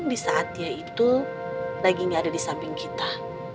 di saat dia itu dagingnya ada di samping kita